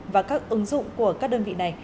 và các ứng dụng của các đơn vị này